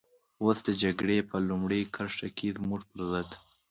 اوس د جګړې په لومړۍ کرښه کې زموږ پر ضد.